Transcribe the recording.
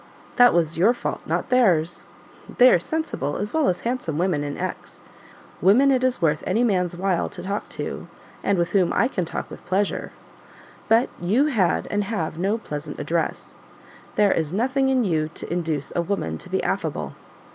"That was your fault, not theirs. There are sensible, as well as handsome women in X ; women it is worth any man's while to talk to, and with whom I can talk with pleasure: but you had and have no pleasant address; there is nothing in you to induce a woman to be affable.